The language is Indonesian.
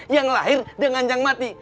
yang lahir dengan yang mati